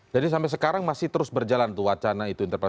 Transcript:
jadi sampai sekarang masih terus berjalan tuh wacana itu interpelasi